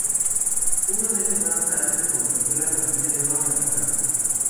Unos años más tarde se construyó la capilla nueva para el santo.